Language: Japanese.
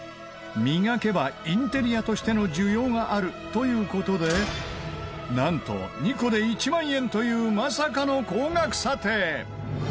磨けばインテリアとしての需要があるという事でなんと２個で１万円というまさかの高額査定！